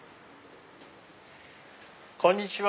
こんにちは！